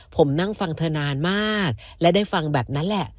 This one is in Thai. ผมนั่งฟังเธอนานมากและได้ฟังแบบนั้นแหละ